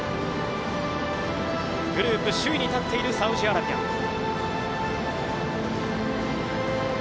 グループ首位に立っているサウジアラビア。